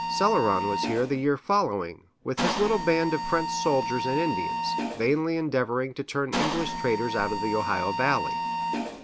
Céloron was here the year following, with his little band of French soldiers and Indians, vainly endeavoring to turn English traders out of the Ohio Valley.